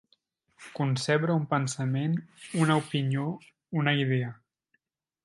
Concebre un pensament, una opinió, una idea.